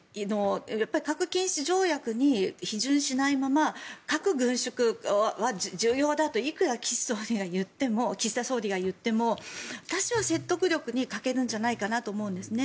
やっぱり核禁止条約に批准しないまま核軍縮は重要だといくら岸田総理が言っても私は説得力に欠けるんじゃないかと思うんですね。